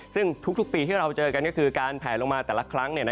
ซึ่งทุกปีที่เราเจอกันก็คือการแผลลงมาแต่ละครั้ง